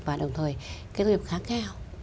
và đồng thời kỹ năng khá cao